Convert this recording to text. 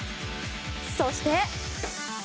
そして。